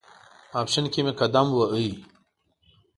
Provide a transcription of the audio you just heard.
ماپښین کې مې قدم واهه.